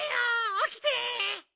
おきて！